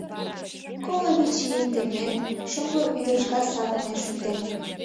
Коло вич ийым темен, шоҥго ӱдырышкат савырнен шуктен.